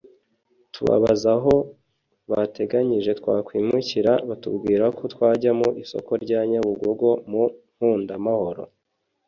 tubabaza aho bateganyije twakwimukira batubwira ko twajya mu isoko rya Nyabugogo mu Nkundamahoro